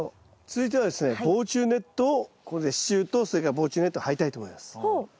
続いてはですね防虫ネットをここで支柱とそれから防虫ネットを張りたいと思います。